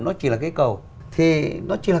nó chỉ là cái cầu thì nó chỉ là